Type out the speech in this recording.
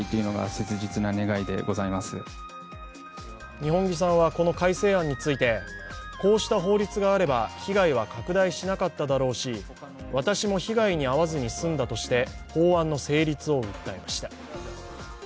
二本樹さんは、この改正案について、こうした法律があれば被害が拡大しなかっただろうし、私も被害に遭わずに済んだとして法案の成立を訴えました。